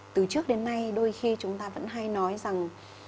từ trước đến nay đôi khi chúng ta vẫn hay nói rằng